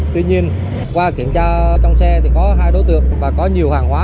tuy nhiên qua kiểm tra trong xe thì có hai đối tượng và có nhiều hàng hóa